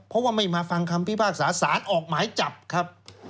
เพราะว่าไม่มาฟังคำพิพากษาสารออกหมายจับครับ